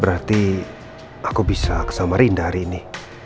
berarti aku bisa kesama rinda hari ini